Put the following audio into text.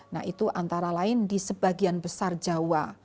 nah itu antara lain di sebagian besar jawa